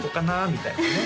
みたいなね